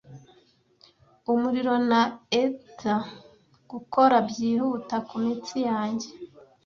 Umuriro na ether gukora byihuta kumitsi yanjye,